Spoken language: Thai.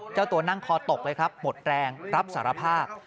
เจ้าตัวนั่งคอตกเลยครับหมดแรงรับสารภาพ